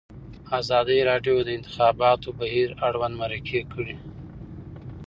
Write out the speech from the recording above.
ازادي راډیو د د انتخاباتو بهیر اړوند مرکې کړي.